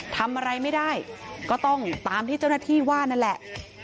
ทำอะไรไม่ได้ก็ต้องตามที่เจ้าหน้าที่ว่านั่นแหละ